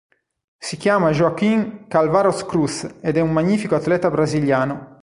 Si chiama Joaquim Carvalho Cruz ed è un magnifico atleta brasiliano.